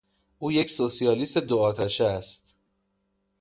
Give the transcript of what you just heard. او یک سوسیالیست دو آتشه است.